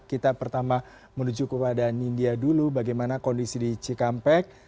kita pertama menuju kepada nindya dulu bagaimana kondisi di cikampek